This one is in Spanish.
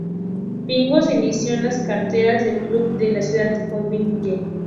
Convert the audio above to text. Pingo se inició en las canteras del club de su ciudad, Joinville.